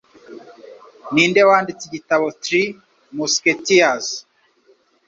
Ninde Wanditse Igitabo three Musketeers